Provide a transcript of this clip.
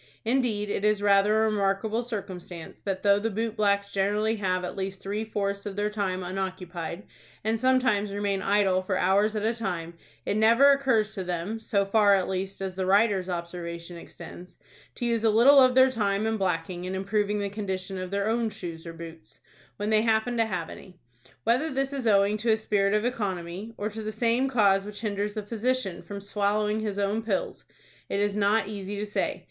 Indeed, it is rather a remarkable circumstance that though the boot blacks generally have at least three fourths of their time unoccupied, and sometimes remain idle for hours at a time, it never occurs to them (so far, at least, as the writer's observation extends) to use a little of their time and blacking in improving the condition of their own shoes or boots, when they happen to have any. Whether this is owing to a spirit of economy, or to the same cause which hinders a physician from swallowing his own pills, it is not easy to say.